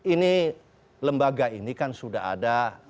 ini lembaga ini kan sudah ada